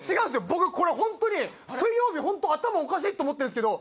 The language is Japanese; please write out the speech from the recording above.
僕これホントに「水曜日」ホント頭おかしいと思ってるんですけど